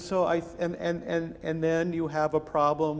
dan kemudian anda mempunyai masalah